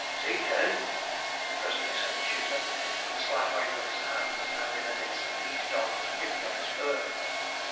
'Seek dead!' presently said the shooter, with a slight wave of his hand; and in an instant each dog was picking up his bird.